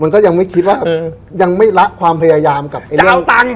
ก็ยังไม่คิดว่าเออยังไม่ละความพยายามกับไอ้เราตังค